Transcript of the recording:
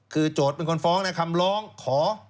คือโจทย์เป็นคนฟ้องในคำร้องขอ